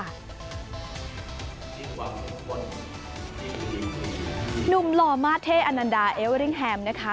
หนุ่มหล่อมาเท่อนันดาเอเวอริ่งแฮมนะคะ